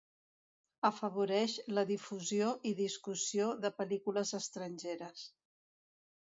Afavoreix la difusió i discussió de pel·lícules estrangeres.